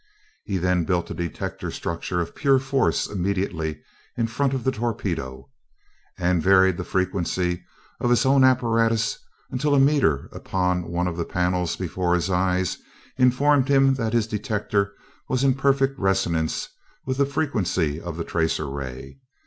He then built a detector structure of pure force immediately in front of the torpedo, and varied the frequency of his own apparatus until a meter upon one of the panels before his eyes informed him that his detector was in perfect resonance with the frequency of the tracer ray.